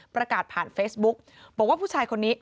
ประกาศผ่านเฟซบุ๊กบอกว่าผู้ชายคนนี้